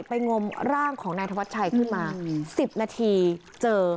งมร่างของนายธวัชชัยขึ้นมา๑๐นาทีเจอ